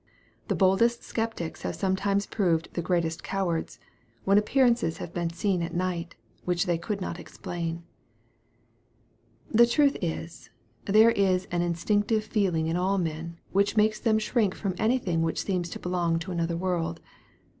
The boldest sceptics have sometimes proved the greatest cowards, when a]> pearances have been seen at night, which they could not explain. The truth is, there is an instinctive feeling in all men, which makes them shrink from anything which seems to belong to another world.